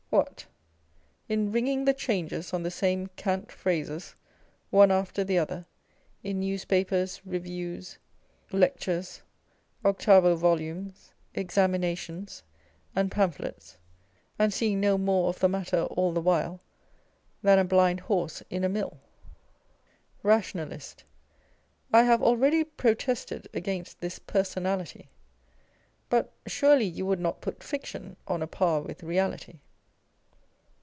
What ! in ringing the changes on the same cant phrases, one after the other, in newspapers reviews, lectures, octavo volumes, examinations, and pamphlets, and seeing no more of the matter all the while than a blind horse in a mill ? 270 The New School of Reform. Rationalist. I have already protested against this personality. But surely you would not put fiction on a par with reality